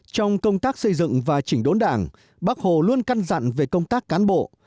trong công tác xây dựng và chỉnh đốn đảng bác hồ luôn căn dặn về công tác cán bộ